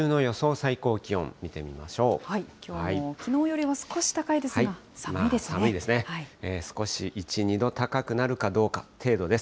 最高気温を見きょうも、きのうよりは少し寒いですね、少し、１、２度高くなるかどうか程度です。